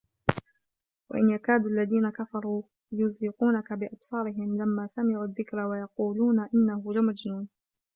وَإِن يَكادُ الَّذينَ كَفَروا لَيُزلِقونَكَ بِأَبصارِهِم لَمّا سَمِعُوا الذِّكرَ وَيَقولونَ إِنَّهُ لَمَجنونٌ